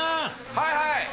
はいはい。